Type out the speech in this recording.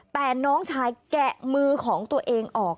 แต่น้องชายแกะมือของตัวเองออก